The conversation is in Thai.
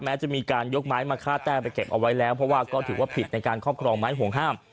จะมีการยกไม้มาฆ่าแต้มไปเก็บเอาไว้แล้วเพราะว่าก็ถือว่าผิดในการครอบครองไม้ห่วงห้าม